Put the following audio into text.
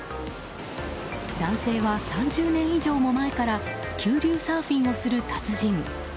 男性は３０年以上も前から急流サーフィンをする達人。